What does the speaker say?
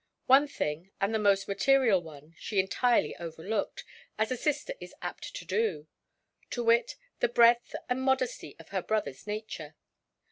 One thing, and the most material one, she entirely overlooked, as a sister is apt to do: to wit, the breadth and modesty of her brotherʼs nature.